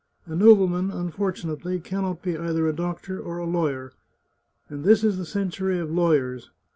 " A nobleman, unfortunately, can not be either a doctor or a lawyer, and this is the century of lawyers.